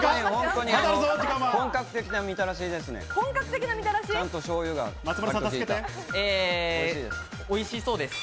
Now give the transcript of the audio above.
本格的なみたらしですね。